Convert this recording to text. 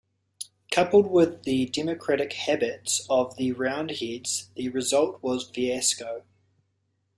Coupled with the democratic habits of the Roundheads, the result was fiasco.